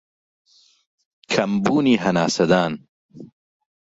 کەمبوونی هەناسەدان